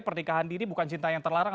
pernikahan dini bukan cinta yang terlarang